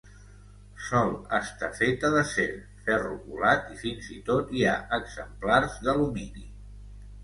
Sol estar feta d'acer, ferro colat i fins i tot hi ha exemplars d'alumini.